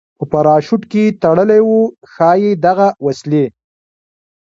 په پراشوټ کې تړلې وه، ښایي دغه وسلې.